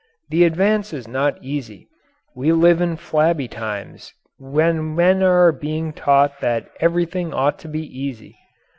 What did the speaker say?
The advance is not easy. We live in flabby times when men are being taught that everything ought to be easy.